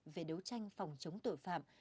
về đấu tranh phòng chống tội phạm